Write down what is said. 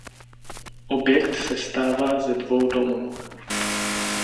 Objekt sestává ze dvou domů.